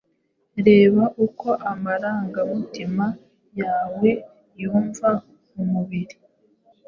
Reba uko amarangamutima yawe yumva mumubiri